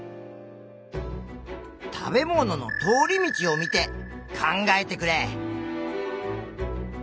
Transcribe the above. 食べ物の通り道を見て考えてくれ！